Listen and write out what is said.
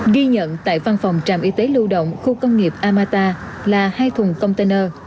ghi nhận tại văn phòng trạm y tế lưu động khu công nghiệp amata là hai thùng container